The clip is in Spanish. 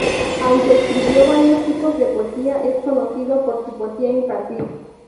Aunque escribió varios tipos de poesía, es conocido por su poesía infantil.